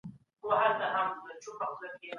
استاد له موږ څخه پوښتنه کوي.